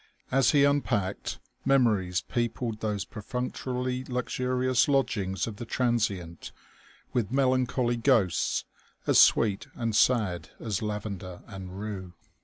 As he unpacked, memories peopled those perfunctorily luxurious lodgings of the transient with melancholy ghosts as sweet and sad as lavender and rue.